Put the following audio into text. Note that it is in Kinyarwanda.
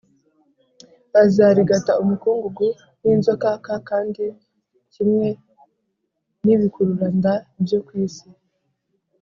Bazarigata umukungugu nk inzoka k kandi kimwe n ibikururanda byo ku isi